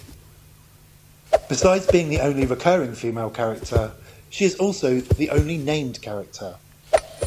Besides being the only recurring female character, she is also the only named character.